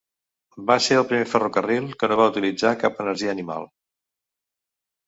Va ser el primer ferrocarril que no va utilitzar cap energia animal.